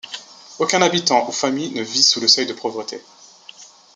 Aucun habitant ou famille ne vit sous le seuil de pauvreté.